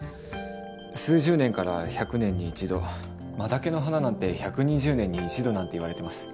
数十年から１００年に１度マダケの花なんて１２０年に１度なんていわれてます。